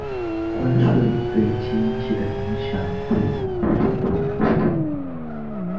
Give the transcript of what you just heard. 关税对经济的影响对不同国家不同。